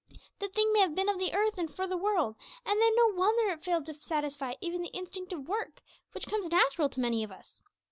The thing may have been of the earth and for the world, and then no wonder it failed to satisfy even the instinct of work, which comes natural to many of us.